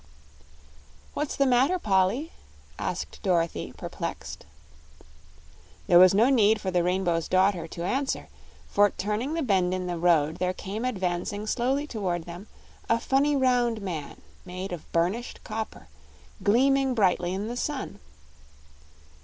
"What's the matter, Polly?" asked Dorothy, perplexed. There was no need for the Rainbow's Daughter to answer, for turning the bend in the road there came advancing slowly toward them a funny round man made of burnished copper, gleaming brightly in the sun.